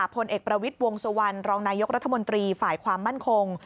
พลเอกประวิทย์วงสุวรรณรองนายกรัฐมนตรีฝ่ายความมั่นคง